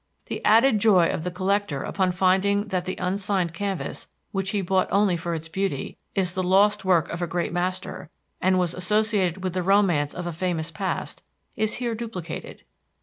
The added joy of the collector upon finding that the unsigned canvas, which he bought only for its beauty, is the lost work of a great master, and was associated with the romance of a famous past is here duplicated.